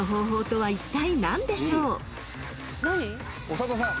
長田さん。